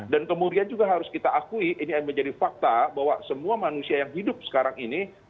dan kemudian juga harus kita akui ini menjadi fakta bahwa semua manusia yang hidup sekarang ini